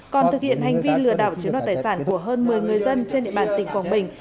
còn thực hiện hành vi lừa đảo chiếm đoạt tài sản của hơn một mươi người dân trên địa bàn tỉnh quảng bình